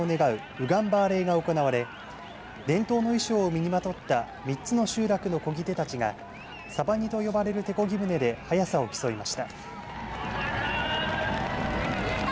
御願バーレーが行われ伝統の衣装を身にまとった３つの集落のこぎ手たちがサバニと呼ばれる手こぎ船で速さを競いました。